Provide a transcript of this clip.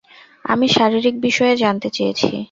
আমি শারীরিক বিষয়ে জানতে চেয়েছি।